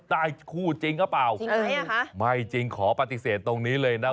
ได้คู่จริงหรือเปล่าคะไม่จริงขอปฏิเสธตรงนี้เลยนะ